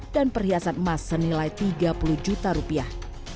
dan perhiasan emas senilai tiga puluh juta rupiah